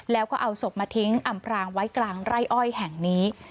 แล้วก็เอาศพมาทิ้งอำพรางไว้กลางไร่อ้อยแห่งนี้